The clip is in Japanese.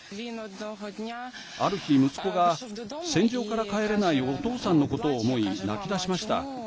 ある日、息子が戦場から帰れないお父さんのことを思い泣き出しました。